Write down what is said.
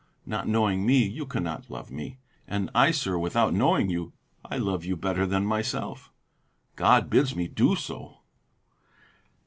Not knowing me, you cannot love me. And I, sir, without knowing you, I love you better than myself; God bids me do so."